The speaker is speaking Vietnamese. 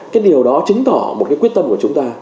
cái điều đó chứng tỏ một cái quyết tâm của chúng ta